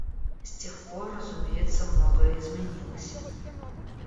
С тех пор, разумеется, многое изменилось.